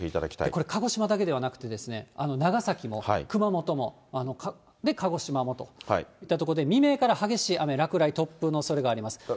これ、鹿児島だけではなくて、長崎も、熊本も、鹿児島もといったところで未明から激しい雨、落雷、突風のおそれがあります。